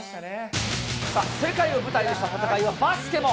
世界を舞台にした戦いはバスケも。